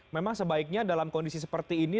memang sebaiknya dalam kondisi seperti ini